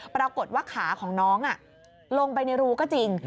ปรากฏว่าขาของน้องลงไปในรูก็จริง